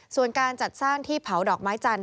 ส่วนการจัดสร้างที่เผาดอกไม้จันท